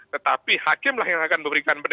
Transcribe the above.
tetapi hakim yang akan memberikan berita